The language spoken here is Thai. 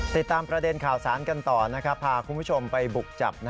ติดตามประเด็นข่าวสารกันต่อพาคุณผู้ชมไปบุกจับ